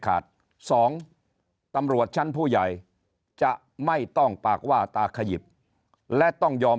สองตำรวจชั้นผู้ใหญ่จะไม่ต้องปากว่าตาขยิบและต้องยอม